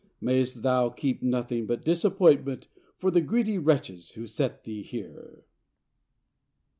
Mayst thou keep nothing but disappointment for the greedy wretches who set thee here.